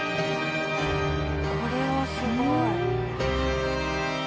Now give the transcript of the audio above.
これはすごい。